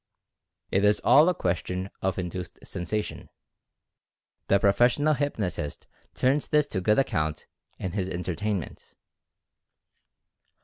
It L all a question of induced sensation. The profes sional hypnotist turns this to good account in his en tertainment.